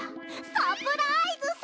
サプライズさ。